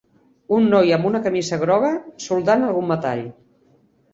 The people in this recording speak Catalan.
Un noi amb una camisa groga soldant algun metall.